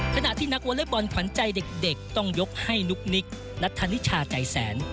ขณะที่นักวอเล็กบอลขวัญใจเด็กต้องยกให้นุ๊กนิกนัทธานิชาใจแสน